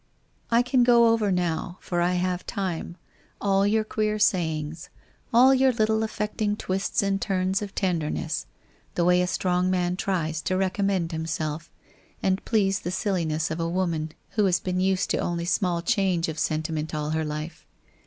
I can go over now, for I have time, all your queer sayings, all your little affecting twists and turns of ten derness, the way a strong man tries to recommend him self and please the silliness of a woman who has been 416 WHITE ROSE OF WEARY LEAF used to only small change of sentiment all her life.